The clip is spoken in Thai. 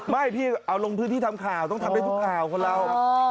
ไม่พี่เอาลงพื้นที่ทำข่าวต้องทำได้ทุกข่าวคนเรา